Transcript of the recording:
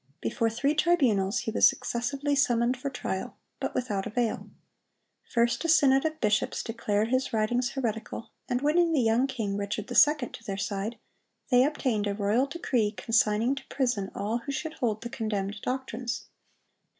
Before three tribunals he was successively summoned for trial, but without avail. First a synod of bishops declared his writings heretical, and winning the young king, Richard II., to their side, they obtained a royal decree consigning to prison all who should hold the condemned doctrines.